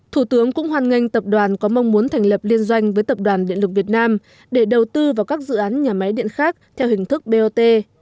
thủ tướng cũng hoàn ngành tập đoàn có mong muốn thành lập liên doanh với tập đoàn điện lực việt nam để đầu tư vào các dự án nhà máy điện khác theo hình thức bot